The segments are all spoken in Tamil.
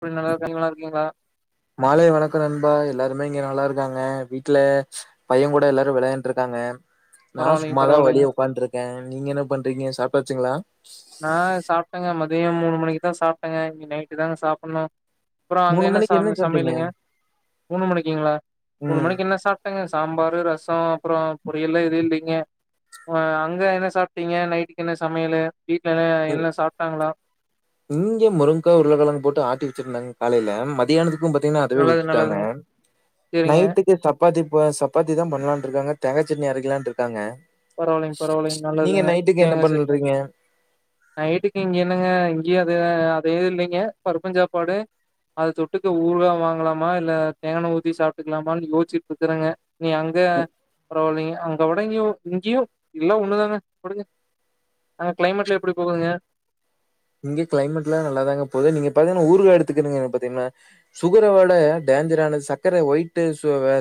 எப்டி நல்லா இருக்காங்க நல்லா இருக்கீங்களா மாலை வணக்க நண்பா எல்லாரு இங்க நல்லா இருக்காங்க வீட்டுல பைய கூட எல்லாரு விளையாண்டு இருக்காங்க நா பரவாயில்லைங்க சும்மாதா பரவாயில்லைங்க வெளியே உக்காண்ருக்கே நீங்க என்ன பண்றீங்க சாப் பச்சுங்களா நா சாப்டேங்க இனி நைட்டு தாங்க சாப்புன்னு அப்றோ அங்க மூணு என்ன மணிக்கு சமை சாப்ட்டீங்க சமையலுங்க மூணு மணிக்குங்ளா மூணு ம் மணிக்கு என்ன சாப்டங்க சாம்பாரு ரச அப்பற பொரியல்லா எதுவோ இல்லிங்க அ அங்கே என்ன சாப்டீங்க நைடுக்கு என்ன சமையளு உம் இஞ்சி முருங்ககா உருளக்கெளங்கு போட்டு ஆட்டி வெச்சிர்ந்தாங்க காலையில மதியானதுக்கு பாத்தீங்கனா அதுவே நல்லது விட்டுடாங்க நல்லதுங்க சேரிங்க நைட்டுக்கு சப்பாத்தி இப்ப சப்பாத்தி தா பண்லான்ருக்காங்க தேங்காய் சட்னி அரைக்கலான்ருக்காங்க பரவாயில்லைங்க பரவாயில்லைங்க நல்லதுங்க என்ன தேங்கா சட்னி பண்றீங்க நைட்டுக்கு இங்கே என்னங்க இங்கேயே அது அதேது இல்லைங்க பருப்புஞ்சாப்பாடு அத தொட்டுக்க ஊருகா வாங்கலாமா இல்லை தேங்கனை ஊற்றி சாப்பிட்டுக்கலாமான்னு யோசிசிட்டு இருக்கேங்க நீ அங்கே பரவாயில்லைங்க அங்கே உடங் இங்கேயும் எல்லாம் ஒண்ணுதாங்க கொடுங்க அங்க கிளைமேட்ல எப்படி போகுதுங்க இங்க கிளைமேட் எல்லாம் நல்லாதாங்க போது நீங்க பாத்தீங்கன்னா ஊரு எடுத்துக்கீங்கன்ன பாத்தீங்கன்னா சுகரோட டேஞ்சரானது சர்கரை ஒயிட்ட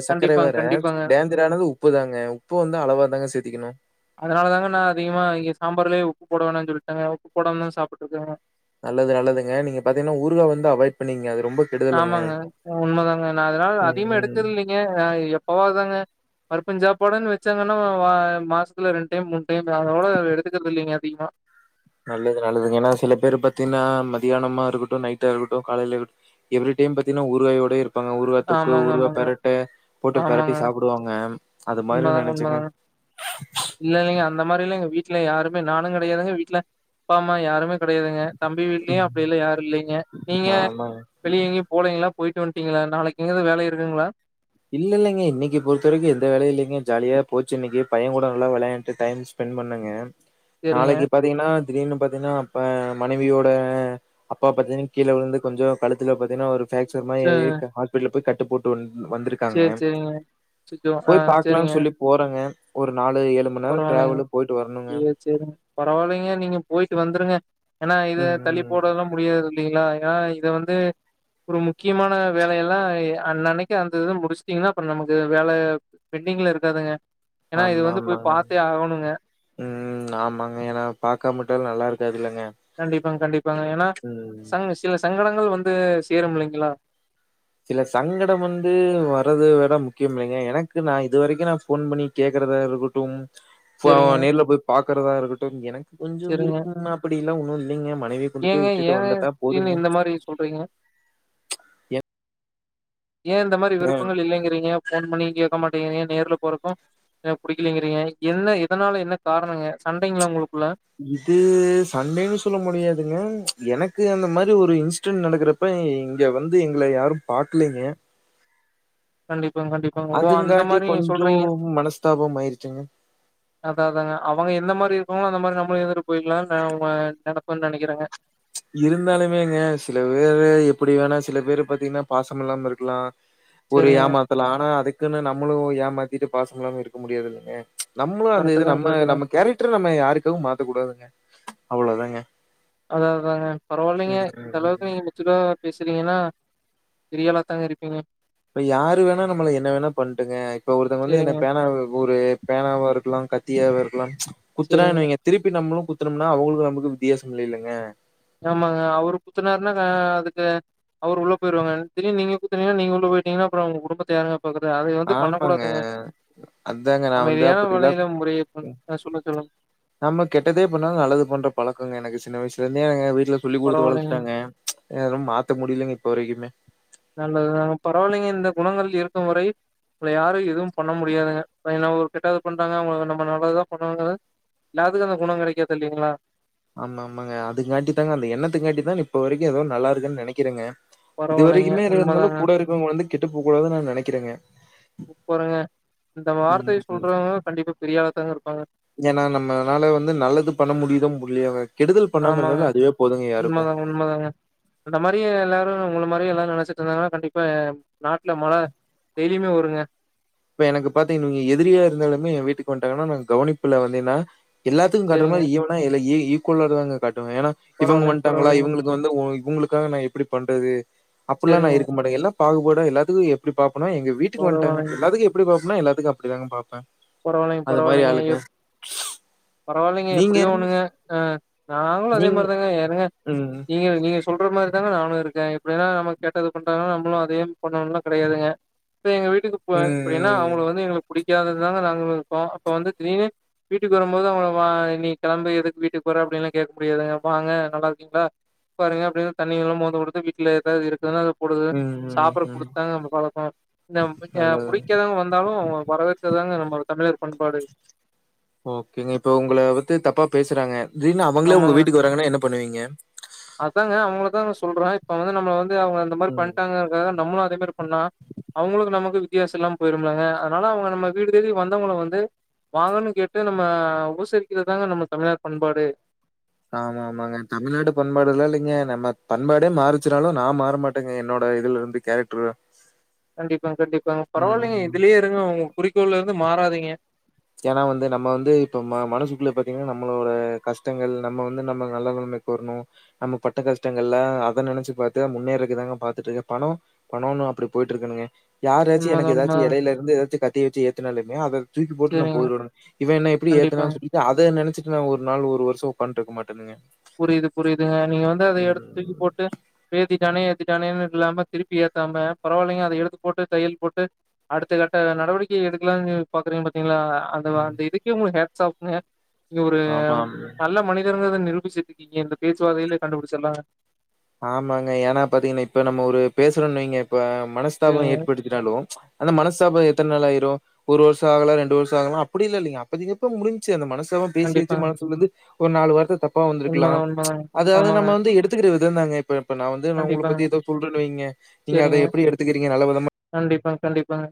சர்க்கரை கண்டிப்பாங்க வேற கண்டிப்பாங்க டேஞ்சரானது உப்பு தாங்க உப்பு வந்து அளவா தாங்க சேத்திக்கணு அதனால தாங்க நா அதிகமா இங்க சாம்பார்லயே உப்புபோட வேண்டாம்னு சொல்லிட்டாங்க உப்பு போடாம சாப்பிட்டுட்டு இருக்கே நல்லது நல்லதுங்க நீங்க பாத்தீங்கன்னா ஊறுகா வந்து அவாய்ட் பண்ணீங்க அது ரொம்ப கெடுதலுங்க ஆமாங்க உண்மைதாங்க நான் அதனால ம் அதிகமா ம் எடுக்குறது இல்லைங்க எப்பவாதாங்க பருப்புஞ் சாப்பாடுன்னு வச்சாங்கன்னா மாசத்துல ரெண்டு டைம் மூணு டைம் அதோட எடுத்துக்கறிறது இல்லைங்க அதிகமா நல்லது நல்லது ஏன்னா சில பேர் பார்த்தீங்கன்னா மத்தியானமா இருக்கட்டும் நைட்டா இருக்கட்டும் காயில இருக்கட்டும் எவரி டைம் பாத்தீங்கன்னா உருவாயோட இரு ஊறுகா தொக்கு ஆமாங்க ஊறுகா ஆமாங்க பெரட்டை போட்டு ஆமாங்க பெரட்டி சாப்பிடுவாங்க அது மாதிரி உண்மதாங்க நினைச்சங்க உண்மதாங்க இல்ல இல்லங்க அந்த மாதிரி எங்க வீட்ல யாருமே நானும் கிடையாது வீட்டில் அப்பா அம்மா யாருமே கிடையாதுங்க தம்பி வீட்லயும் அப்படி இல்லா யாரும் இல்லைங்க நீங்க ஆமாங்க வெளிய எங்கி போலீங்காளா போயிட்டு வந்துட்டீங்களா நாளைக்கு எங்காவ வேலை இருக்குங்களா இல்ல இல்லங்க இன்னைக்கு பொறுத்த வரைக்கும் எந்த வேலயு இல்லைங்க ஜாலியா போச்சு இன்னைக்கு பையன் கூட நல்லா விளையாண்டு டைம் ஸ்பெண்ட் பண்ணணுங்க சரிங்க. நாளைக்கு பாத்தீங்கன்னா திடீர் பாத்தீங்கன்னா மனைவியோட அப்பா பாத்தீங்கன்னா கீழே விந்து கொஞ்சம் கழுத்துல பாத்தீங்கன்னா ஒரு பெக்சர் மாரி ச ஆகி ஹாஸ்பிடல போய் கட் போட்டு வந்து மட்டும் இருக்காங்க சேரி சேரிங்க. அச்சச்சோ! போய் பார்க்கலாம்னு சொல்லி போறங்க பரவாயில்லைங்க வரணுங்க. செ செரி பரவாயில்லைங்க நீங்க போயிட்டு வந்துருங்க ஏன்னா இது ம், தள்ளி ம். போடெல்லாம் முடியாது இல்லைங்களா ஏா இத வந்து ஒரு முக்கியமான வேலையெல்லாம் அன்னனைக்கு அந்த இத முடிச்சுட்டீங்கன்னா அப்புறம் நமக்கு வேல பெண்டிங்ல இருக்காதுங்க ஏன்னா இது வந்து போய் அஹ் பாத்தே ஆகணுங்க. உம் ஆமாங்க என பாக்கமவிட்டாலும் நல்லா இருக்காதுல்லங்க. கண்டிப்பாங்க கண்டிப்பாங்க ஏன்னா ம். சங் சில சங்கடங்கள் கள் வந்து சேரும் இல்லைங்களா சில சங்கடம் வந்து வர்றத விட முக்கியம் இல்லைங்க எனக்கு நா இது வரைக்கும் நா போன் பண்ணி கேக்குறதா இருக்கட்டும் பவ் சரிங்க, நேர்ல போய் பா இருக்கறதா இருக்கட்டும் கொஞ்சம் சரிங்க. விருப்பம்மா அப்படில்லா உ ஏங்க ஏங்க போதுங்க. இடீனு இந்த மாரி சொல்றீங்க எ ஏன் இந்த மாரி விருப்பங்கள் இல்லைங்கிறீங்க போன்பண்ணியும் கேட்க இப்ப நீங்க நேரல போறப்போ அ படிலங்கீங்க என்ன இதனால என்ன காரணங்க சண்டை உங்களுக் இது சண்டைன்னு சொல்ல முடியாதுங்க எனக் எனக்கு அந்த மாரி ஒரு இன்சிடென்ட் நடக்கறப்ப இங்க வந்து எங்களை யாரும் பாக்கலங்க கண்டிப் அதுங்காட்டி கொஞ்சம் மனஸ்தாபம் ஆயிடுச்சுங்க அதாதாங்க அவங்க எந்த மாரி இருக்காங்களோ அந்த மாரி நம்ளும் இருந்துட்டு போயிடலாம்ங்க நன நனப்பான்னு நினைக்கிறேங்க இருந்தாலுமேங்க சில பேரு எப்படி வேணா சில பேரு பாத்தீங்கன்னா பாசம் இல்லாம இருக்கலாம் ஒரு சரிங்க. ஏமாத்துலா ஆனா அதுக் இருக்குன்னா நம்மளும் ஏமாத்திட்டு பாசல்லாம்ம இருக்க முடியாது இல்லைங்க நம்மளும் அந்த கரெக்ட்டு இது தான், நம்ம கரெக்ட்டு தான். நம்ம கேரக்டர் நம்ம யாருக்காவ மாத்தக்க கூடாதுங்க அவ்வளோ தாங்க அதான் ஆமாங்க பரவாயில்லைங்க இந்த அளவுக்கு ம். நீங்க மெச்சூடா பேசு பாத்தீங்கன்னா பெரியாலா தாங்க இருப் இப்ப யாரு வேணா நம்மளை என்ன வேணா பண்ணிட்டுங்க இப்ப ஒருத்தவங்க வந்து சரிங்க. என்ன பேனா ஒரு பேனாவா இருக்கலா கத் கத்தியாக இருக்கலாம் செரிங்க. குத்துனானுவைங்க திருப்பி நம்மளும் குத்துணும்னா அவங்களுக்கு நமக்கு வித்தியாச இல்லைங்க ஆமாங்க அவரு குத்துனாருனா அ அதுக்கு அவரு உள்ள போயிடுவாங்க திடீர்னு நீங்க குத்துனீங்கன்னா நீங்க உள்ள போயிட்டீங்கன்னா அப்புறம் ஒங்க குடும்பத்தயாருங்க ஆமாங்க அதாங்க நா வந்து அமைதியான அப்படில்லாம் வழியில முறைய கொண் ம் அ சொல்லுங்க, சொல்லுங்க. நம்ம கெட்டதே பண்ணாங்க நல்லது பண்ற பழக்கங்க எனக்கு சின்ன வயச சொன்ங்க வீட்டு இத சொல்லி கொடுத்து பரவாயில்லைங்க. வளர்த்துட்டாங்க ஏங்க மாத்த முடியலைங்க இப்ப வரைக்குமே நல்லது தாங்க பரவாயில்லைங்க இந்த குணங்கள் இருக்கும் வரை உங்கள யாரும் எதுவும் பண்ண முடியாதுங்க என்ன ஒரு கெட்டாவது பண்றாங்க அவுங்களுக்கு நம்ம நல்லதான் பண்ணாங்கது எல்லாத்துக்கும் அந்த குணம் கிடைக்றதுல்லலைங்களா ஆமா ஆமாங்க அதுக்காட்டி தாங்க அந்த எண்ணத்துக்கு காட்டி தான் இப்ப வரைக்கும் ஏதோ நல்லாருக்குன்னு நெனைக்கிறேங்க இது பரவாயில்லைங்க. வரைக்குமே இது இருந்தாலும் உண்மதாங்க. கூட இருக்கிறவுங்க வந்து கெட்டு போ கூடாது நான் நெனைக்கிறேங்க சூப்பருங்க. இந்த வார்த்தைய உம் சொல்றவங்க கண்டிப்பா பெரிய ஆளாத்தாங்க இருப்பாங்க. ஏன்னா நம்மனால வந்து நல்லது பண்ண முடியுதோ முடியலோங்க ஆமாங்க உண்மைதாங்க உண்மைதாங்க அந்த மாரியே எல்லாரும் உங்க மாரி எல்லாம் நெனச்சிட்டு இருந்தாங்கன்னா கண்டிப்பா நாட்டுல மழை பெய்து இனிமே வருங்க இப்ப எனக்கு பாத்தீங்க நீங்க எதிரியா இருந்தாலுமே என் வீட்டுக்கு வந்துட்டாங்கன்னா நாங்க கவனிப்புல வந்தீங்கன்னா எல்லாத்துக்கும் காட்ற சேரிங்க மாரி ஈவனா ஈவ் கொள்ளறதாங்க காய் ஏன்னா இவுங்க பரவாயில்லைங்க வன்டாங்களா பரவாயில்லைங்க இவுங்களுக்கு வந்து இவுங்களுக்காக நான் எப்டி பண் அது அப்டிலாம் நான் சேரிங்க இருக்க மாட்டேங்க பாகுபாடே எல்லாத்துக்கும் எப்டி பாப் ஆனா எங்க வீட்டுக்கு வந்டேங்க பரவாயில்லைங்க எல்லாத்துக்கு எப்டி பாஸ் நா எல்லாத்துக்கும் அப்டிதாங்க பாப்பேன் பரவாயில்லைங்க பரவாயில்லைங்க எப் பரவாயில்லைங்க நீங்க எப்டியோ ஒண்ணுங்க அஹ நாங்களும் அதே நீங் மாரிதாங்க ஏனுங்க ம். ம். நீங்க நீங்க சொல்ற மாரிதாங்க நானும் இருக்கேன் இப்டின்னா நம்ம கேட்டது பண்றாங்கன்னா நம்மளும் அதையும் பண்ணணும்லாம் கெடையாதுங்க எங்க வீட்டுக்கு போ எப்டினா ம். அவுங்க வந்து எங்களுக்கு புடிக் காது இப்டிதாங்க நாங்களும் இருப்போம் அப்போ வந்து திடீர்னு வீட்டுக்கு வரும்போது அவுங்க நீ கெளம்பு எதுக்கு வீட்டுக்கு வர அப்டிலாம் கேட்க முடியாதுங்க வாங்க நல்லா இருக்கீங்களா உட்காருங்க அப்டின்னு தண்ணில்லாம் மோந்து கொடுத்து வீட்ல ஏதாவது இருக்கு போடுது ம். சாப்ட ம். குடுத்தாங்க பழக்கம் நல்லது. புடிக்காதவுங்க வந்தாலும் வரவேற் நம்மளோட தமிழர் பண்பாடு ஓகேங்க இப்ப உங்கள பத்தி தப்பா பேசுறாங்க திடீர்னு அவுங்களே உங்க ஆமாங்க வீட்டுக்கு வராங்கனா என்ன பண்ணுவீங்க அதாங்க அவுங்கள தா சொல்றேன் இப்ப வந்து நம்மள வந்து அவுங்க அந்த மாரி ம். பண்டாங்க அதுகாக நம்மளு [unintelligible] பண்ணா அவுங்களுக்கு நமக்கு வித் வித்தியாசம்லாம் போயிரமிலங்க அதனால அவுங்க நம்ம வீடு தேடி வந்தவங்கள வந்து வாங்க கேட்டு நம்ம உபசரிக்கிறதுதாங்க நம்ம தமிழர் பண்பாடு ஆமா ஆமாங்க தமிழ்நாடு பண்பாடுலாம் இல்லைங்க நம்ம பண்பாடே மாறிச்சுனாலும் நா மாறமாட்டேங்க என்னோட இதுல இருந்து கேரக்டர் கண்டிப்பா கண்டிப்பாங்க பரவாயில்லிங்க ம். இதுலயே இருங்க உங்க குறிக்கோள் ந்து மாறாதீங்க ஏன்னா வந்து நம்ம வந்து இப்ப ம மனசுக்குள்ள பாத்தீங்கன்னா நம்மளோட கஷ்டங்கள் நம்ம வந்து நம்ம நல்ல நிலமைக்கு வரணும் நம்ம பட்ட கஷ்டங்கள்ல அத நினைச்சு பாத்து முன்னேறக்குதாங்க பாத்துட்டு இருக்கேன் பணம் பணம்னு அப்டி போயிட்டு இருக்கணுங்க யாராச்சி உண்மதா எனக்கு ஏதாச்சி உண்மதா இடையில இருந்து எதாச்சு கத் ட்டி வெச்சி ஏத்துனாலுமே அது தூக்கி போட்றலாம் சேரிங்க போயிறோனு இத என்ன எப்பிடி கண்டிப்பாங்க ஏத்தனு சொல்லிட்டு அதை நினைச்சிட் ஒரு நாள் ஒரு வருஷம் உக்காண்டுக்கமாட் புரியுது புரியுதுங்க நீங்க வந்து அத எடுத்து தூக்கி ம். போட்டு வேதி ஏத்திடானே ஏத்திடானேன்னுங் இல்லாம திருப்பி ஏத்தாம பரவால்லீங்க அத எடுத்து போட்டு தையல் போட்டு அடுத்த கட்ட நடவடிக்கை எடுக்கலாம்னு பாக்குறீங்க பாத்தீங்குளா அத ம். அந்த இதுக்கே உங்க ஹேப் சாப்புங்க நீ ஒரு ஆமாம். நல்ல மனிதர் வது நிரூபிச்சி திட்டிங்க இந்த பேச்சுவாகையிலே கண்டுபிடிச்சுருல்லா ஆமாங்க ஏன்னா பாத்தீங்கன்னா இப்ப நம்ம ஒரு பேசுரோன் வெயிங்க இப்ப மனஸ்தாபம் சரிங்க. ஏற்படுத்தினாலு அந்த மனஸ்தாபம் எத்துன் நாள் ஆயிரு ஒரு வருஷம் ஆகுலா ரெண்டு வருஷம் ஆகுலா அப்டியில்லா இல்லிங்க அப்பதிகப்ப முடிஞ்சு அந்த மனஸ் த்துவம் பேசியாச்சு கண்டிப்பாங்க. மனசுல்லுது ஒரு நாலு வார்த்த தப் ப்பா வந்திருக்குலாம் உண்மதான் உண்மதாங்க. அதாவது ஆமாங்க. நம்ம வந்து எடுத்துக்கிறது இதுனாங்க இப்ப இப்ப நா வந்து நா உங்குளை கண்டிப்பாங்க. பத்தி எதாவுது சொல்றேன் வெயிங்க நீங்க அதை சரிங்க. எப்டி எடுத்துக்கிறீங்க நல்ல விதமா கண்டிப்பா கண்டிப்பாங்க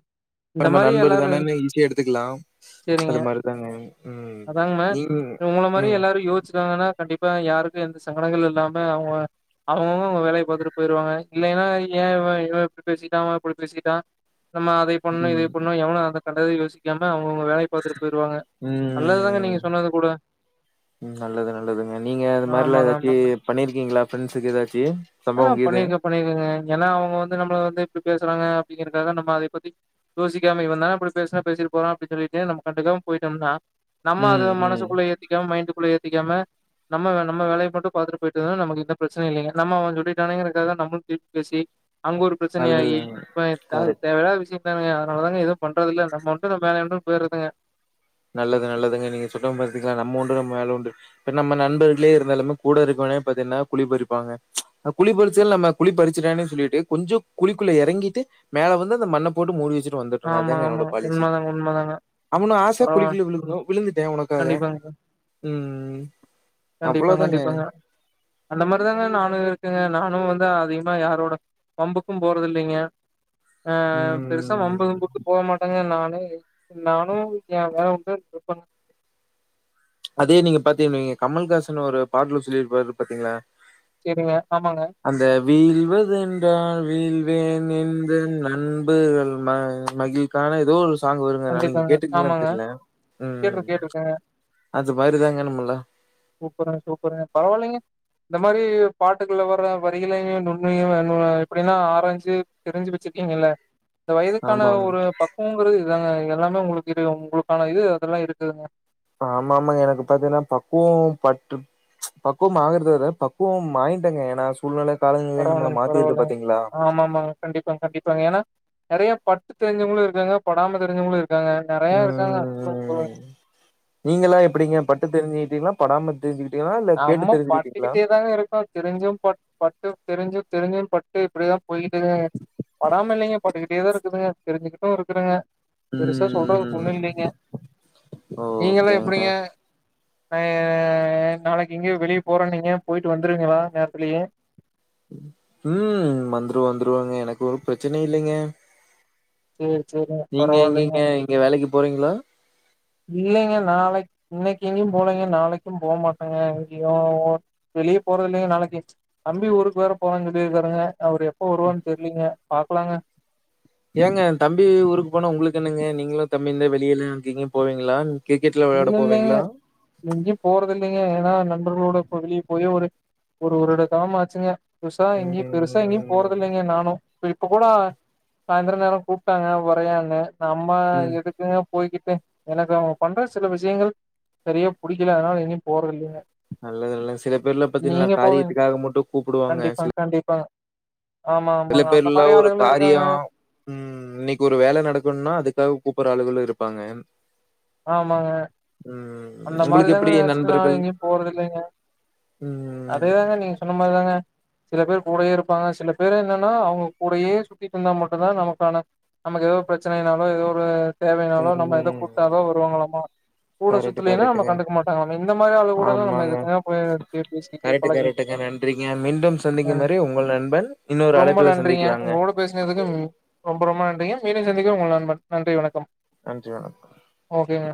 இந்த ரொம்ப மாரி எல்லாரும் நண்பருதானே இருந்து- வெய் இன்சிக எடுத்துக்குலாம் சரிங்க. அது மாரிதாங்க உம் அதாங்க நீயு உம் ப்ப யாருக்கு எந்த சங்குடங்கள் இல்லாம அவுங்க அவுங்கங் போ வேலை பாத்துட்டு போயிருவாங்க இல்லைன்னா ஏ இவன் இப்பிடி பேசிட்டா அவை அப்பிடி பேசிட்டா நம்ம அதை பண்ணோ இதை பண்ணோ எவுண அத கண்டயித் யோசிக்காம அவுங் உம் ம் நீங்க சொன்னது கூட உம் நல்லது நல்லதுங்க நீங்க அது மாதிரியில்லா ஆமாங்க எதாச்சி ஆமாங்க பண்ணிருக்கீங்களா ப்ரெண்ஸ்சுக்கு எதாச்சி ஆஹ் பண்ணியிருக்கே பண்ணிருகேங்க ஏனா அவுங்க வந்து நம்முள இப்ப வந்து இப்டி பேசுறாங்க அப்டிங்கிறக்காக நம்ம அதை பத்தி யோசிக்காம இவந்தா இப்பிடி பேசுரா பேசிட்டு போறான் அப்டின் சொல்லிட்டு நம்ம கண்டுக்காம் போயிட்டமுனா நம்ம ம் அதுக ம் மனசுக்குள்ளே ஏத்திக்காம மைண்டுக்குள்ள ஏத் பிடிக்காம நம்ம நம்ம வேலைய மட்டும் பாத்துட்டு போயிட்ருந்தா நமக்கு பிரச்சனை இல்லைங்க நம்ம அவுங்களு இவுங்களுக்காக நம்மளும் திருப்பி பேசி அங்க ஒரு அது பிரச்சனையாகி இப்ப கரெக்ட் தேவ இல்லாத விஷய அதனாலதாங்க எதுவும் பண்றது இல்ல நம்ம உண்டு நம்ம வேலை உண்டு போயிறதுங்க நல்லது நல்லதுங்க நீங்க சொன்ன பாத்தீங்களா நம்ம உண்டு நம்ம மேல உண்டு இ நம்ம நண்பர்களே இருந்தாலுமே கூட இருக்கவனே பாத்தீங்கன்னா குழி பறிப்பாங்க குழி பறிச்சத நம்ம குழி பறிச்சிடு சொல்லிட்டு கொஞ்சம் குழிக்குள்ள எறங்கிட்டு மேல வந்து அந்த மண்ணை போட்டு மூடி வச்சுட்டு வந்துட்டோங்க ஆமா, அதேங்க ஆமா. என்னோட பாலிசி உண்மதாங்க, உண்மதாங்க. அவனும் ஆசயா பரவா குழிக்குள்ள விழுகனும் விழுந்துட்டேன் உனக்காக கண்டிப்பாங்க. உம் உம் கண்டிப்பா கண்டிப்பாங்க அந்த மாரிதாங்க நானும் இருக்குங்க நானும் வந்து நான் அதிகமா யாரோட வம்புக்கும் போறது இல்லைங்க ஆஹ் பெருசா ம் வம்புதும்புக்கு போ மாட்டாங்க நான் நானும் என் வேல உண்டுணுருப்பேங்க அதே நீங்க பாத்தீங்கீங்க கமல்ஹாசன் ஒரு பாட்டுல சொல்லிருப்பாரு பாத்தீங்களா சரிங்க. ஆமாங்க. அந்த வீழ்வது என்றால் வீழ் பேரன்பு நண்புகள் மகிழ்கான ஏதோ சாங்க வருங்க நான் நீங்க கண்டிப்பாங்க. கேட்டுக்கீங்களானு ஆமாங்க. தெர்ல கேட்டுரு உம் கேட்டுருக்கேங்க. சூப்பருங்க சூப்பருங்க பரவாயில்லங்க இந்த மாரி பாட்டுகள்லவர்ற வரிகலையும் நுண்ணையும் எப்டின்னா ஆராஞ்சு தெரிஞ்சு வச்சிருக்கீங்கல்ல இந்த வயதுக்கான ஆமாமா. ஒரு பக்குவங்கிறது இதாங்க எல்லாமே உங்களுக்கு உங்களுக்கான இது அதெல்லாம் இருக்குதுங்க ஆமா ஆமாங்க எனக்கு பாத்தீங்கன்னா பக்குவம் பட்டு பக்குவம் ஆகுறத பக்குவம் ஆய்டேங்க ஏனா பரவாலங்க பரவாலங்க ஆமா ஆமாங்க கண்டிப்பாங்க கண்டிப்பாங்க ஏன்னா நறைய பட்டு தெரிஞ்சவுங்களும் இருக்காங்க படாம தெரிஞ்சவுகளும் இருக் உம் உ நீங்கல்லாம் எப்டிங்க பட்டு தெரிஞ்சுக்கிட்டீங்களா படாம தெரிஞ்சுகிட் நம்ம பட்டுக்கிட்டே தாங்க இருக்கும் தெரிஞ்சும் ப பட்டு தெரிஞ்சு தெரிஞ்சும் பட்டு இப்டிதாம் போயிட்டுது படாம இல்லைங்க பட்டுக்கிட்டே தான் இருக்குதுங்க தெரிஞ்சுகிட்டும் இருக்குறங்க பெருசா சொல்றதுக்கு ம். ஒண்ணும் இல்லைங்க நீங்கல்லாம் ஓகேங்க. எப்டிங்க [unintelligible] நாளைக்கு எங்யோ வெளியே போறன்னீங்க போய்டு வந்துருவீங்ளா நேரத்திலே உம் வந்துரு வந்துருவங்க எனக்கு ஒரு பிரச்சனையும் இல்லைங்க சேரி சேரிங்க நீங்க பரவாயில்லைங்க இங்கங்க இங்க வேலைக்கு போறீங்களா இல்லைங்க நாளைக்கு இன்னைக்கு எங்கயும் போலங்க நாளைக்கும் போக மாட்டேங்க எங்கையும் வெளியே போறது இல்லைங்க நாளைக்கு தம்பி ஊருக்கு வேற போறு சொல்லிருக்காருங்க அவரு எப்ப வருவான்னு தெரியலீங்க பாக்கலாங்க ஏங்க தம்பி ஊருக்கு போனா உங்களுக்கு என்னங்க நீங்களும் தம்பி இருந்த வெளியில அங்கீங்க போவீங்களா கிரிக்கெட்லாம் இ விளையாட இல்லைங்க போவீங்களா? எங்கயும் போறது இல்லைங்க ஏன்னா ந அவர்களோட வெளியே போயே ஒரு ஒருட காலம்மா ஆச்சுங்க பெதுசா எங்கயும் பெருசா எங்கேயும் ம். போறதில்லைங்க நானும் இப்ப இப்ப கூட சாய்ந்திரம் நேரம் கூப்பிட்டாங்க உரையானே நம்ம ம். எதுக்குங்க போய்கிட்டே எனக்கு அவங்க பண்ற சில விஷயங்கள் சரியா பிடிக்கல அதனால எங்கையும் போற இல்லைங்க நல்லது நல்லது சில பேர்ல பார்த்தீங்களா போவீங்க காரியத்துக்காக மட்டும் கூப்பிடுவாங்க சில கண்டிப்பாங்க கண்டிப்பாங்க ஆமா சில ஆமாங்க அந்த பேர்ல மாரி ஒரு ஆளுகளு இருக்காங்க காரியம் உம் இன்னைக்கு ஒரு வேலை நடக்கணும்னா அதுக்காக கூப்பிட ஆளுகளும் இருப்பாங்க ஆமாங்க ம். அந்த மாரி உங்களுக்கு தாங்க எப்படி நனச்சு நா நண்பர்கள்? எங்கேயும் போறது இல்லங்க ம். அதேதாங்க நீங்க சொன்ன மாரிதாங்க சில பேர் கூடயே இருப்பாங்க சில பேரு என்னன்னா அவங்க கூடயே சுத்திட்ருந்தா மட்டும்தான் நமக்கான நமக்கு ஏதோ பிரச்சனைனாலும் ஏதோ ஒரு தேவையனாலும் நம்ம எதை கு ம். தான் வருவாங்கலாம் கூட கரெக்ட்டு, சுத்துலின்னா நம்ம கரெக்ட்டுங்க. கண்டுக்க மாட்டாங்க இந்த மாரி ஆளுங்க கூடலாம் ஆமாங்க. நம்மதுக்கு போய் பேசிட்டு கரெக்ட் பலகிட்டு கரெக்டுங்க நன்றிங்க மீண்டும் சந்திக்கும் ஆஹ் வரை உங்கள் நண்பன் இன்னொரு ரொம்ப அழைப்புல நன்றிங்க சந்திக்கலாங்க உங்க கூட பேசினதுக்கு ரொம்ப ரொம்ப நன்றிங்க மீண்டும் சந்திப்போம் உங்கள் நண்பன் நன்றி வணக்கம் நன்றி ஓகேங்க